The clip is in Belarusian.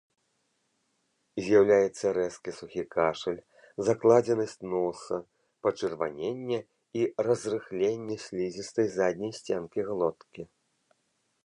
З'яўляецца рэзкі сухі кашаль, закладзенасць носа, пачырваненне і разрыхленне слізістай задняй сценкі глоткі.